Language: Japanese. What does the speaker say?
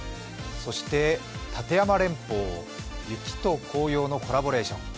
そして立山連峰、雪と紅葉のコラボレーション。